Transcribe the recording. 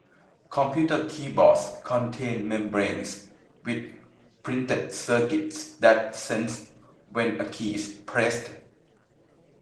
Computer keyboards contain membranes with printed circuits that sense when a key is pressed.